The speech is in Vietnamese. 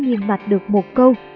niềm mạch được một câu